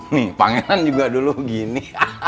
nih pangeran juga dulu gini